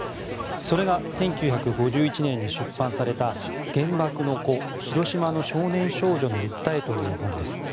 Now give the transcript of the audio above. それが１９５１年に出版された「原爆の子広島の少年少女のうったえ」という本です。